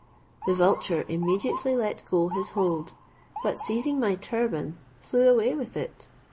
The vulture immediately let go his hold, but seizing my turban, flew away with it.